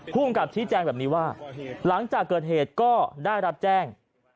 ภูมิกับชี้แจงแบบนี้ว่าหลังจากเกิดเหตุก็ได้รับแจ้ง